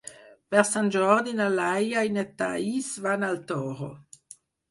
Per Sant Jordi na Laia i na Thaís van al Toro.